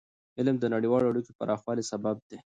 علم د نړیوالو اړیکو پراخوالي سبب دی.